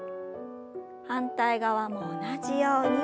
反対側も同じように。